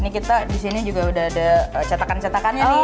ini kita disini juga udah ada catakan catakannya nih